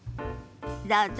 どうぞ。